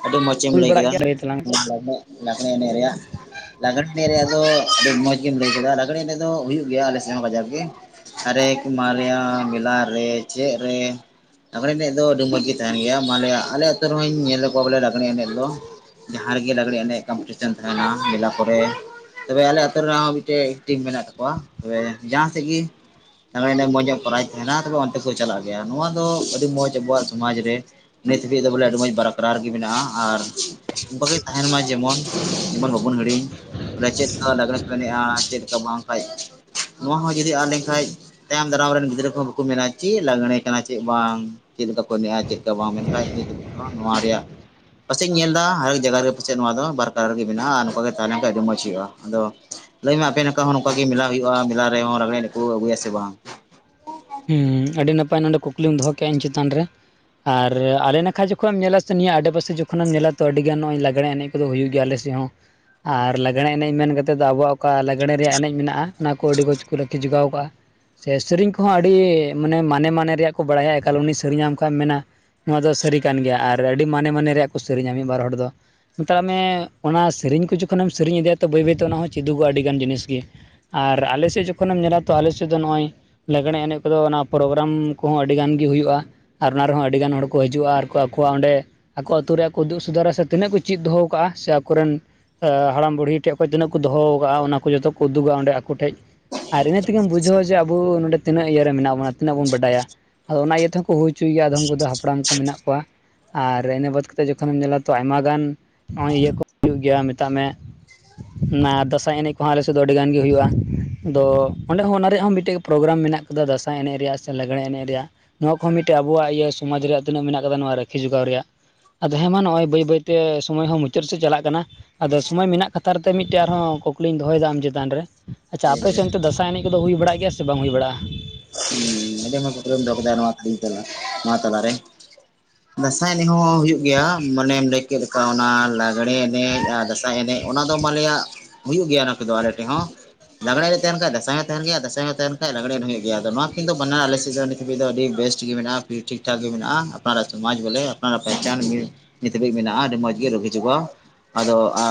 ᱦᱮᱸ᱾ ᱟᱹᱰᱤ ᱢᱚᱸᱡᱽ ᱮᱢ, ᱦᱩᱭ ᱞᱟᱹᱭ ᱵᱟᱲᱟᱜ ᱠᱮᱫᱟ᱾ ᱜᱮᱭᱟ ᱛᱟᱞᱟᱝ ᱢᱮ ᱞᱟᱜᱽᱲᱮ ᱮᱱᱮᱡ ᱨᱮᱭᱟ-ᱜ᱾ ᱞᱟᱜᱽᱲᱮ ᱮᱱᱮᱡ ᱨᱮᱭᱟ-ᱜ ᱫᱚ᱾ ᱟᱹᱰᱤ ᱢᱚᱸᱡᱽ ᱜᱮᱢ ᱞᱟᱹᱭ ᱠᱮᱫᱼᱟ᱾ ᱞᱟᱸᱜᱽᱲᱮ ᱨᱮ ᱫᱚ ᱦᱩᱭᱩ-ᱜ ᱜᱮᱭᱟ᱾ ᱟᱞᱮ ᱥᱮᱫ ᱵᱟᱡᱟᱨ ᱨᱮ ᱦᱟᱨᱮᱠ ᱢᱟᱨᱭᱟᱞᱭ-ᱟ᱾ ᱢᱮᱞᱟᱨᱮ ᱪᱮᱫ ᱨᱮ᱾ ᱞᱟᱜᱽᱲᱮᱸ ᱮᱱᱮᱡ ᱫᱚ᱾ ᱟᱹᱰᱤ ᱢᱚᱡᱽ ᱜᱮ ᱛᱟᱦᱮᱱ ᱜᱮᱭᱟ᱾ ᱢᱟᱞᱮ ᱟᱜ ᱟᱞᱮ ᱟᱹᱛᱩ ᱨᱮᱦᱚᱧ ᱧᱮᱞ ᱠᱚᱣᱟ᱾ ᱵᱚᱞᱮ ᱞᱟᱸᱜᱽᱲᱮᱸ ᱮᱱᱮᱡ ᱫᱚ᱾ ᱡᱟᱦᱟᱸ ᱨᱮᱜᱮ ᱞᱟᱜᱽᱲᱮᱸ ᱮᱱᱮᱡ ᱠᱚᱢᱯᱤᱴᱤᱥᱮᱱ ᱛᱟᱦᱮᱱᱟ᱾ ᱢᱮᱞᱟ ᱠᱚᱨᱮ ᱛᱚᱵᱮ, ᱟᱞᱮ ᱟᱹᱛᱩ ᱨᱮᱦᱚᱸ᱾ ᱢᱤᱫᱴᱮᱡ ᱴᱤᱢ ᱢᱮᱱᱟ-ᱜ ᱛᱟᱠᱚᱣᱟ᱾ ᱛᱚᱵᱮ ᱡᱟᱦᱟᱸᱥᱮᱫ ᱜᱤ ᱛᱮ ᱢᱚᱸᱡᱽ ᱧᱚᱜ ᱯᱨᱟᱭᱤᱡᱽ ᱛᱟᱦᱮᱱᱟ᱾ ᱛᱚᱵᱮ ᱚᱱᱛᱮ ᱠᱚ ᱪᱟᱞᱟ-ᱜ ᱜᱮᱭᱟ᱾ ᱱᱚᱣᱟ ᱫᱚ ᱟᱹᱰᱤ ᱢᱚᱸᱡᱷᱽ ᱟᱵᱚᱣᱟ-ᱜ ᱥᱚᱢᱟᱡᱽ ᱨᱮ ᱱᱤᱛ ᱦᱟᱹᱵᱤᱡ ᱫᱚ᱾ ᱵᱚᱞᱮ ᱟᱹᱰᱤ ᱢᱚᱡᱽ ᱵᱟᱨᱠᱨᱟᱨ ᱜᱮ ᱢᱮᱱᱟᱜᱼᱟ᱾ ᱟᱨ ᱚᱱᱠᱟᱜᱮ ᱛᱟᱦᱮᱱ ᱢᱟ᱾ ᱡᱮᱢᱚᱱ ᱡᱮᱢᱚᱱ ᱵᱟᱵᱚᱱ ᱦᱤᱲᱤᱧ ᱾ ᱪᱮᱫ ᱞᱮᱠᱟ ᱞᱟᱜᱽᱲᱮ ᱠᱚ ᱮᱱᱮᱜᱼᱟ᱾ ᱪᱮᱫ ᱞᱮᱠᱟ ᱵᱟᱝ? ᱱᱚᱣᱟ ᱦᱚᱸ ᱡᱩᱫᱤ ᱟᱫ ᱞᱮᱱᱠᱷᱟᱡ᱾ ᱛᱟᱭᱚᱢ ᱫᱟᱨᱟᱢ ᱨᱮᱱ, ᱜᱤᱫᱽᱨᱟᱹ ᱠᱚ ᱦᱚᱸ ᱵᱟᱠᱚ ᱢᱮᱱᱟ᱾ ᱪᱮᱫ ᱞᱟᱜᱽᱲᱮ ᱠᱟᱱᱟ, ᱪᱮᱫ ᱵᱟᱝ ᱪᱮᱫ ᱞᱮᱠᱟ ᱠᱚ ᱮᱱᱮᱡᱼᱟ᱾ ᱪᱮᱫ ᱞᱮᱠᱟ ᱵᱟᱝ ᱾ᱢᱮᱱᱠᱷᱟᱱ ᱱᱤᱛᱚ-ᱜ ᱱᱚᱣᱟ ᱨᱮᱭᱟ-ᱜ ᱯᱟᱥᱮᱡ ᱤᱧ ᱧᱮᱞ ᱮᱫᱟ᱾ ᱦᱟᱨᱮᱠ ᱡᱟᱭᱜᱟ ᱨᱮ ᱯᱟᱥᱮᱡ᱾ ᱱᱚᱣᱟ ᱫᱚ ᱵᱟᱨᱠᱟᱨᱟᱨ ᱜᱮ ᱢᱮᱱᱟᱜᱼᱟ᱾ ᱟᱨ ᱱᱚᱝᱠᱟ ᱜᱮ ᱛᱟᱦᱮᱸ ᱞᱮᱱᱠᱷᱟᱱ ᱟᱹᱰᱤ ᱢᱚᱸᱡᱽ ᱦᱩᱭᱩᱜᱼᱟ᱾ ᱟᱫᱚ ᱞᱟᱹᱭ ᱢᱮ, ᱟᱯᱮ ᱱᱚᱝᱠᱟ ᱦᱚᱸ ᱱᱚᱝᱠᱟ ᱜᱮ, ᱢᱮᱞᱟ ᱦᱩᱭᱩᱜᱼᱟ᱾ ᱢᱮᱞᱟ ᱨᱮᱦᱚᱸ ᱞᱟᱸᱜᱲᱮ ᱮᱱᱮᱡ ᱠᱚ ᱟᱹᱜᱩᱭᱟ ᱾ ᱥᱮ ᱵᱟᱝ? ᱦᱩᱸ, ᱟᱹᱰᱤ ᱱᱟᱯᱟᱭ ᱱᱚᱸᱰᱮ ᱠᱩᱠᱞᱤᱢ ᱫᱚ-ᱦᱚ ᱠᱮᱜᱼᱟ᱾ ᱤᱧ ᱪᱮᱛᱟᱱ ᱨᱮ ᱟᱨ ᱟᱞᱮ ᱱᱟᱠᱷᱟ ᱡᱚᱠᱷᱽᱚᱱ ᱮᱢ ᱧᱮᱞᱟ᱾ ᱥᱮ ᱱᱤᱭᱟ ᱟᱰᱮ ᱯᱟᱥᱮ ᱡᱳᱠᱷᱳᱱ ᱮᱢ ᱧᱮᱞᱟ᱾ ᱛᱳ ᱟᱰᱤ ᱜᱟᱱ ᱱᱚᱜᱚᱭ ᱞᱟᱸᱽᱜᱲᱮ ᱮᱱᱮᱡ ᱠᱚᱫᱚ ᱦᱩᱭᱩᱜ ᱜᱮᱭᱟ ᱟᱞᱮᱥᱮᱫ ᱦᱚᱸ ᱟᱨ ᱞᱟᱜᱽᱬᱮᱸ ᱮᱱᱮᱡ ᱢᱮᱱ ᱠᱟᱛᱮᱫ ᱫᱚ, ᱟᱵᱚᱣᱟ-ᱜ ᱚᱠᱟ ᱞᱟᱜᱽᱬᱮᱸ ᱨᱮᱭᱟᱜ ᱮᱱᱮᱡ ᱢᱮᱱᱟᱜᱼᱟ᱾ ᱚᱱᱟ ᱠᱚ ᱟᱹᱰᱤ ᱢᱚᱸᱡᱷᱽ ᱠᱚ ᱨᱟᱹᱠᱷᱤ ᱡᱚᱜᱟᱣ ᱠᱟᱜᱼᱟ᱾ ᱥᱮᱨᱮᱧ ᱠᱚ᱾ ᱠᱚᱸᱦᱚᱸ ᱟᱹᱰᱤ ᱢᱟᱱᱮ - ᱢᱟᱱᱮ - ᱢᱟᱱᱮ ᱨᱮᱭᱟ-ᱜ ᱠᱚ ᱵᱟᱲᱟᱭᱟ᱾ ᱮᱠᱟᱞ ᱩᱱᱤ ᱥᱮᱨᱤᱧ ᱟᱢ ᱠᱷᱟᱱᱮᱢ ᱢᱮᱱᱟ᱾ ᱱᱚᱣᱟ ᱫᱚ ᱥᱟᱹᱨᱤ ᱠᱟᱱ ᱜᱮᱭᱟ᱾ ᱟᱨ ᱟᱹᱰᱤ ᱢᱟᱱᱮ - ᱢᱟᱱᱮ ᱨᱮᱭᱟ-ᱜ ᱠᱚ ᱥᱮᱨᱤᱧᱟ᱾ ᱢᱤᱫ ᱵᱟᱨ ᱦᱚᱲ ᱫᱚ ᱢᱮᱛᱟᱜ ᱢᱮ᱾ ᱚᱱᱟ ᱥᱮᱨᱮᱧ ᱠᱚ ᱡᱚᱠᱷᱚᱱᱮᱢ ᱥᱮᱨᱮᱧ ᱤᱫᱤᱭᱟ᱾ ᱛᱚ ᱵᱟᱹᱭ ᱵᱟᱹᱭᱛᱮ, ᱚᱱᱟ ᱦᱚᱸ ᱪᱮᱫᱚᱜᱚᱜᱼᱟ᱾ ᱟᱹᱰᱤᱜᱟᱱ ᱡᱤᱱᱤᱥ ᱜᱮ ᱟᱨ ᱟᱞᱮᱥᱮᱫ ᱡᱚᱠᱷᱚᱱᱮᱢ ᱧᱮᱞᱟ ᱾ ᱛᱚ ᱟᱞᱮᱥᱮᱫ ᱫᱚ, ᱱᱚᱜᱼᱚᱭ ᱞᱟᱜᱽᱲᱮᱸ ᱮᱱᱮᱡ ᱠᱚᱼᱫᱚ ᱚᱱᱟ ᱯᱨᱳᱜᱨᱟᱢ ᱠᱚᱦᱚᱸ, ᱟᱹᱰᱤ ᱜᱟᱱ ᱜᱮ ᱦᱩᱭᱩᱜᱼᱟ᱾ ᱟᱨ ᱚᱱᱟ ᱨᱮᱦᱚᱸ ᱟᱹᱰᱤᱜᱟᱱ ᱦᱚᱲ ᱠᱚ, ᱦᱤᱡᱩᱜᱼᱟ᱾ ᱟᱨ ᱟᱠᱚᱣᱟᱜ ᱚᱸᱰᱮ ᱟᱠᱚ ᱟᱹᱛᱩ ᱨᱮᱭᱟᱜ ᱠᱚ᱾ ᱩᱫᱩᱜ ᱥᱩᱫᱟᱹᱨᱟ ᱥᱮ, ᱛᱤᱱᱟᱹᱜ ᱠᱚ ᱪᱮᱫ ᱫᱚᱦᱚ ᱟᱠᱟᱟᱜᱼᱟ᱾ ᱥᱮ ᱟᱠᱚᱨᱮᱱ ᱦᱟᱲᱟᱢ ᱵᱩᱲᱦᱤ ᱴᱷᱮᱱ ᱠᱷᱚᱱᱚᱡ, ᱛᱤᱱᱟᱹᱜ ᱠᱚ ᱫᱚᱦᱚ ᱠᱟᱜᱼᱟ᱾ ᱚᱱᱟ ᱠᱚ ᱡᱚᱛᱚ ᱠᱚ ᱩᱫᱩᱜᱟ᱾ ᱚᱸᱰᱮ ᱟᱠᱚ ᱴᱷᱮᱡ᱾ ᱟᱨ ᱤᱱᱟᱹ ᱛᱮᱜᱮᱢ ᱵᱩᱡᱷᱟᱹᱣᱟ᱾ ᱡᱮ ᱟᱵᱚ ᱱᱚ ᱛᱤᱱᱟᱹᱜ ᱤᱭᱟᱹ ᱨᱮ ᱢᱮᱱᱟᱜ ᱵᱚᱱᱟ᱾ ᱛᱤᱱᱟᱹᱜ ᱵᱚᱱ ᱵᱟᱰᱟᱭᱟ᱾ ᱟᱫᱚ ᱚᱱᱟ ᱤᱭᱟᱹ ᱛᱮᱦᱚᱸᱠᱚ, ᱦᱩᱭ ᱦᱚᱪᱚᱭ ᱜᱮᱭᱟ᱾ ᱟᱫᱚᱢ ᱠᱚᱼᱫᱚ ᱦᱟᱯᱲᱟᱢ ᱠᱚ ᱢᱮᱱᱟ-ᱜ ᱠᱚᱣᱟ᱾ ᱟᱨ ᱤᱱᱟᱹ ᱵᱟᱫ ᱠᱟᱛᱮᱫ ᱡᱚᱠᱷᱚᱱᱮᱢ ᱧᱮᱞᱟ᱾ ᱛᱚ ᱟᱭᱢᱟ ᱜᱟᱱ, ᱱᱚᱜᱼᱚᱭ ᱤᱭᱟᱹ ᱠᱚ ᱦᱩᱭᱩ-ᱜ ᱜᱮᱭᱟ᱾ ᱢᱮᱛᱟᱜ ᱢᱮ ᱚᱱᱟ ᱫᱟᱸᱥᱟᱭ ᱮᱱᱮᱡ ᱠᱚᱼᱦᱚᱸ ᱟᱞᱮ ᱥᱮᱫ ᱫᱚ ᱾ ᱟᱹᱰᱤ ᱜᱟᱱ ᱜᱮ ᱦᱩᱭᱩᱜᱼᱟ᱾ ᱟᱫᱚ ᱚᱸᱰᱮ ᱦᱚᱸ ᱚᱱᱟ ᱨᱮᱭᱟᱜ ᱦᱚᱸ ᱢᱤᱫᱴᱮᱡ᱾ ᱯᱨᱳᱜᱨᱟᱢ ᱢᱮᱱᱟᱜ ᱠᱟᱫᱟ᱾ ᱫᱟᱸᱥᱟᱭ ᱮᱱᱮᱡ᱾ ᱨᱮᱭᱟᱜ ᱥᱮ ᱞᱟᱜᱽᱲᱮᱸ ᱮᱱᱮᱡ ᱨᱮᱭᱟᱜ᱾ ᱱᱚᱣᱟ ᱠᱚᱼᱦᱚᱸ ᱢᱤᱫᱴᱮᱡ ᱟᱵᱚᱣᱟᱼᱜ ᱤᱭᱟᱹ ᱥᱚᱢᱟᱡᱽ ᱨᱮᱭᱟ-ᱜ ᱛᱤᱱᱟᱹᱜ ᱢᱮᱱᱟᱜ ᱠᱟᱫᱟ᱾ ᱱᱚᱣᱟ ᱨᱟᱹᱠᱷᱤ ᱡᱚᱜᱟ-ᱣ ᱨᱮᱭᱟᱜ᱾ ᱟᱫᱚ ᱦᱮᱸ ᱢᱟ᱾ ᱱᱚᱜ ᱚᱭ ᱵᱟᱹᱭ - ᱵᱟᱹᱭᱛᱮ ᱥᱚᱢᱚᱭ ᱦᱚᱸ ᱢᱩᱪᱟᱹᱫ ᱥᱮᱫ ᱪᱟᱞᱟ-ᱜ ᱠᱟᱱᱟ᱾ ᱟᱫᱚ ᱥᱚᱢᱚᱭ ᱢᱮᱱᱟ-ᱜ ᱠᱟᱛᱷᱟᱛᱮ, ᱢᱤᱫᱴᱮᱡ ᱟᱨ-ᱦᱚᱸ ᱠᱩᱠᱞᱤᱧ ᱫᱚᱦᱚᱭᱮ ᱫᱟ ᱾ ᱟᱢ ᱪᱮᱛᱟᱱ ᱨᱮ ᱟᱪᱪᱷᱟ, ᱴᱷᱤᱠ ᱜᱮᱭᱟ ᱟᱯᱮᱥᱱ ᱫᱟᱥᱟᱸᱟᱭ ᱮᱱᱮᱡ ᱠᱚ᱾ ᱦᱩᱭ ᱵᱟᱲᱟ-ᱜ ᱜᱮᱭᱟ ᱥᱮ, ᱵᱟᱝ ᱦᱩᱭᱲᱟᱜᱼᱟ? [inaudible] [unintelligible] ᱱᱚᱣᱟ ᱛᱟᱞᱟ ᱨᱮ᱾ ᱫᱟᱸᱥᱟᱭ ᱮᱱᱮᱡ ᱦᱚᱸ ᱦᱩᱭᱩᱜ ᱜᱮᱭᱟ, ᱢᱟᱱᱮᱢ ᱞᱟᱹᱭ ᱠᱮᱫ ᱞᱮᱠᱟ ᱚᱱᱟ ᱞᱟᱜᱽᱲᱮ ᱮᱱᱮᱡ ᱟᱨ ᱫᱟᱸᱥᱟᱭ ᱮᱱᱮᱡ᱾ ᱚᱱᱟ ᱫᱚ ᱢᱟᱞᱮᱭᱟᱜ ᱦᱩᱭᱩᱜ ᱜᱮᱭᱟ ᱚᱱᱟ ᱠᱚᱫᱚ ᱟᱞᱮ ᱴᱷᱮᱡ ᱦᱚᱸ᱾ ᱞᱟᱜᱽᱲᱮ ᱮᱱᱮᱡ ᱛᱟᱦᱮᱱ ᱠᱷᱟᱡ ᱫᱟᱥᱟᱸᱭ ᱮᱱᱮᱡ ᱛᱟᱦᱮᱱ ᱜᱮᱭᱟ ᱫᱟᱥᱟᱸᱭ ᱦᱚᱸ ᱛᱟᱦᱮᱱ ᱠᱷᱟᱡ ᱞᱟᱜᱽᱲᱮᱱ ᱮᱱᱮᱡ ᱦᱩᱭᱩᱜ ᱜᱮᱭᱟ᱾ ᱟᱫᱚ ᱱᱚᱣᱟ ᱠᱤᱱ ᱫᱚ [inaudible] ᱟᱞᱮᱥᱮᱫ ᱫᱚ ᱱᱤᱛ ᱦᱟᱹᱵᱤᱡ ᱫᱚ ᱟᱹᱰᱤ ᱵᱮᱥᱴ ᱜᱮ ᱢᱮᱱᱟᱜ-ᱟ᱾ ᱯᱷᱤᱨ ᱴᱷᱤᱠ ᱴᱷᱟᱠ ᱜᱮ ᱢᱮᱱᱟᱜ-ᱟ, ᱟᱯᱱᱟᱨ ᱥᱚᱢᱟᱡᱽ ᱵᱚᱞᱮ ᱟᱱᱟᱨ ᱯᱮᱦᱪᱟᱱ᱾ ᱱᱤᱛ ᱦᱟᱹᱵᱤᱡ ᱢᱮᱱᱟᱜ-ᱟ, ᱟᱹᱰᱤ ᱢᱚᱸᱡᱽ ᱜᱮ ᱨᱳᱜ ᱦᱤᱡᱩᱜ-ᱟ᱾ ᱟᱫᱚ ᱟ-